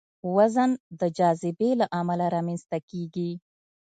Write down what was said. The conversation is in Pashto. وزن د جاذبې له امله رامنځته کېږي.